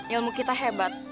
ilmu kita hebat